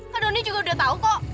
pak doni juga udah tau kok